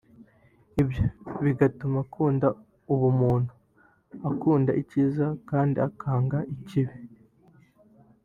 ibyo bigatuma agira ubumuntu agakunda icyiza kandi akanga ikibi